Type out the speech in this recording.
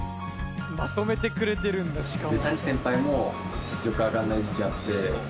まとめてくれてるんだしかも。